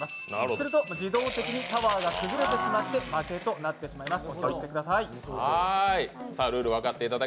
すると自動的にタワーが崩れてしまって負けとなってしまいます。